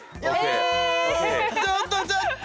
ちょっとちょっと！